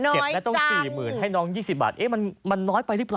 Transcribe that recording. เก็บแล้วต้อง๔๐๐๐๐ให้น้อง๒๐บาทมันน้อยไปรึเปล่า